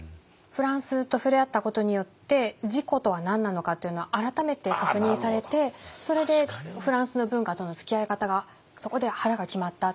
フランスと触れ合ったことによって自己とは何なのかっていうのを改めて確認されてそれでフランスの文化とのつきあい方がそこで腹が決まった。